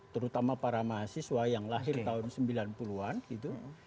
terutama para mahasiswa yang lahir tahun sembilan puluh an gitu